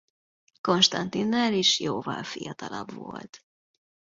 Konstantinnál is jóval fiatalabb volt.